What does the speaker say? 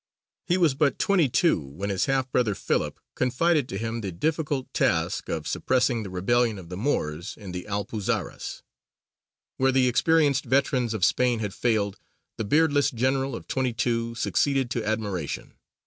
He was but twenty two when his half brother, Philip, confided to him the difficult task of suppressing the rebellion of the Moors in the Alpuxarras. Where the experienced veterans of Spain had failed, the beardless general of twenty two succeeded to admiration.